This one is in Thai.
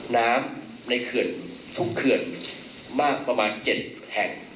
น้ำในทุกเขื่อนมากประมาณ๗แห่ง